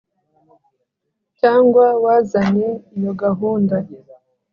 cyangwa wazanye iyo gahunda